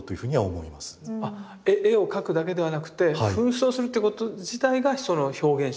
絵を描くだけではなくて扮装するってこと自体がその表現手段？